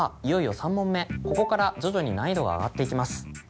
いよいよ３問目ここから徐々に難易度が上がっていきます。